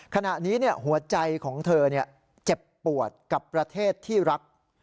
ขณะนี้หัวใจของเธอเจ็บปวดกับประเทศที่รัก